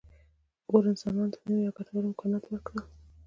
اور انسانانو ته نوي او ګټور امکانات ورکړل.